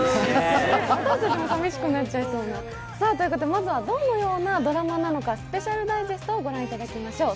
まずは、どのようなドラマなのかスペシャルダイジェストをご覧いただきましょう。